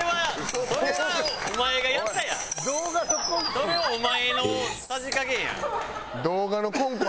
それはお前のさじ加減や。